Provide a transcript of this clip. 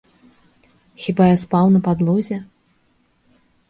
Хіба я спаў на падлозе?